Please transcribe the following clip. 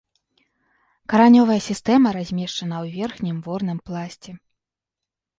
Каранёвая сістэма размешчана ў верхнім ворным пласце.